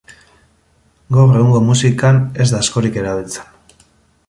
Gaur egungo musikan ez da askorik erabiltzen.